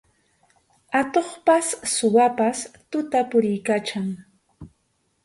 Atuqpas suwapas tuta puriykachan.